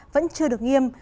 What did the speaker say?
vẫn chưa được nghiêm